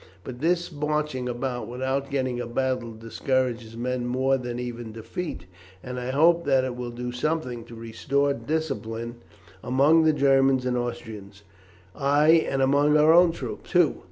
But this marching about without getting a battle discourages men more even than defeat, and I hope that it will do something to restore discipline among the Germans and Austrians, ay, and among our own troops too.